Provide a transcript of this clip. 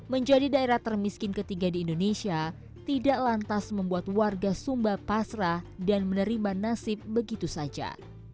menjadi daerah termiskin ketiga di indonesia tidak lantas membuat warga sumba pasrah dan menerima nasib begitu saja